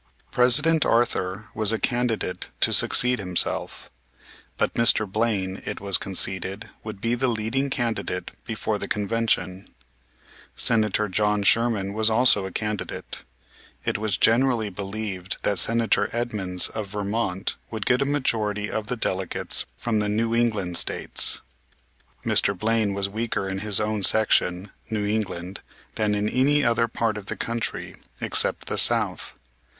President Arthur was a candidate to succeed himself; but Mr. Blaine, it was conceded, would be the leading candidate before the Convention. Senator John Sherman was also a candidate. It was generally believed that Senator Edmunds of Vermont would get a majority of the delegates from the New England States. Mr. Blaine was weaker in his own section, New England, than in any other part of the country except the South.